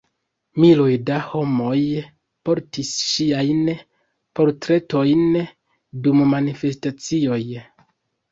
Miloj da homoj portis ŝiajn portretojn dum manifestacioj.